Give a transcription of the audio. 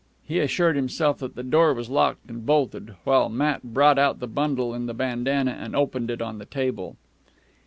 He assured himself that the door was locked and bolted, while Matt brought out the bundle in the bandana and opened it on the table.